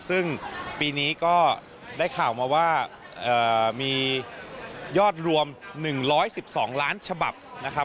ซึ่งปีนี้ก็ได้ข่าวมาว่ามียอดรวม๑๑๒ล้านฉบับนะครับ